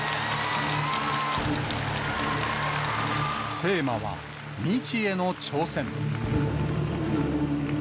テーマは未知への挑戦。